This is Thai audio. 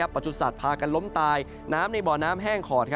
ประสุทธิ์พากันล้มตายน้ำในบ่อน้ำแห้งขอด